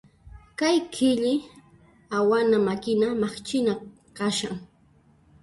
Kay qhilli awana makina maqchina kashan.